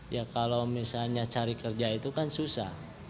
ya kalau misalnya cari kerja itu kan susah